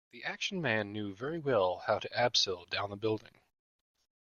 The action man knew very well how to abseil down the building